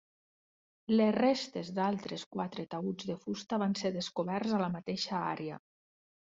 Les restes d'altres quatre taüts de fusta van ser descoberts a la mateixa àrea.